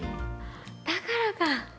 だからか！